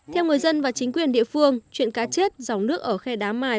theo người dân và chính quyền địa phương chuyện cá chết dòng nước ở khe đá mài